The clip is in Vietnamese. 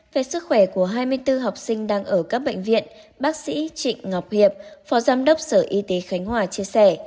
về sức khỏe của hai mươi bốn học sinh đang ở các bệnh viện bác sĩ trịnh ngọc hiệp phó giám đốc sở y tế khánh hòa chia sẻ